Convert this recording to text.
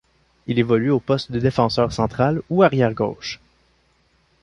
Il évolue au poste de défenseur central ou arrière gauche.